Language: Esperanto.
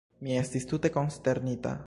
Mi estis tute konsternita.